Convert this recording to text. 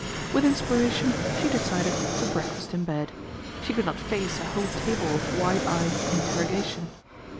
With inspiration she decided to breakfast in bed. She could not face a whole table of wide eyed interrogation.